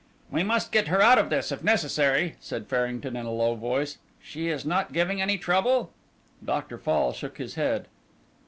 "We must get her out of this, if necessary," said Farrington in a low voice. "She is not giving any trouble?" Dr. Fall shook his head.